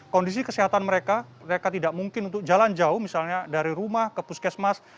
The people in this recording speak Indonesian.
kondisi kesehatan mereka mereka tidak mungkin untuk jalan jauh misalnya dari rumah ke puskesmas